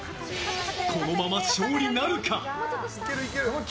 このまま勝利なるか？